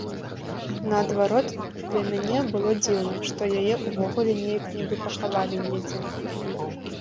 Наадварот, для мяне было дзіўна, што яе ўвогуле неяк нібы пахавалі недзе.